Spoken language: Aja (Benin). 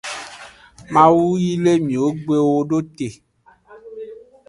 Mawu yi le miwo gbe do te.